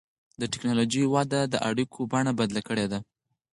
د ټکنالوجۍ وده د اړیکو بڼه بدله کړې ده.